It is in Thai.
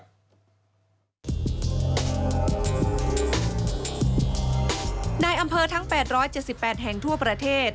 นายอำเภอทั้ง๘๗๘แห่งทั่วประเทศ